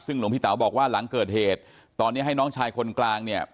ซึ่งหลวงพี่เต๋าบอกว่าหลังเกิดเหตุตอนนี้ให้น้องชายคนกลางเนี่ย